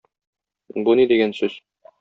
Бу ни дигән сүз?